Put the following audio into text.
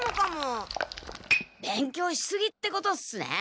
勉強しすぎってことっすね。